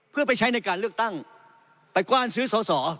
เพื่อไปใช้ในการเลือกตั้งไปกว้านซื้อสอสอ